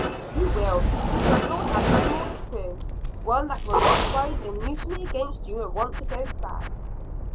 "You will, because you'll have a smaller crew, one that will not rise in mutiny against you and want to go back."